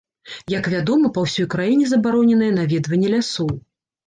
Як вядома, па ўсёй краіне забароненае наведванне лясоў.